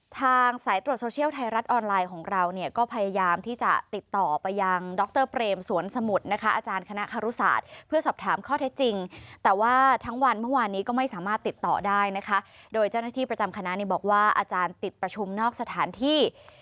ทางสายตรวจโซเชียลไทยรัฐออนไลน์ของเราเนี่ยก็พยายามที่จะติดต่อไปยังดรเปรมสวนสมุทรนะคะอาจารย์คณะคารุศาสตร์เพื่อสอบถามข้อเท็จจริงแต่ว่าทั้งวันเมื่อวานนี้ก็ไม่สามารถติดต่อได้นะคะโดยเจ้าหน้าที่ประจำคณะนี้บอกว่าอาจารย์ติดประชุมนอกสถานที่